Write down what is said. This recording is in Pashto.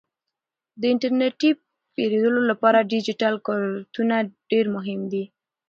د انټرنیټي پیرودلو لپاره ډیجیټل کارتونه ډیر مهم دي.